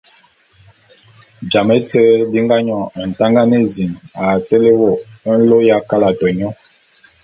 Jame té bi nga nyòn Ntangan ézin a tele wô nlô ya kalate nyô.